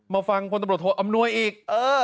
มาฟังพลตำรวจโทอำนวยอีก